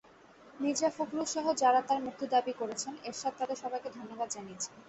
মির্জা ফখরুলসহ যাঁরা তাঁর মুক্তি দাবি করেছেন, এরশাদ তাঁদের সবাইকে ধন্যবাদ জানিয়েছেন।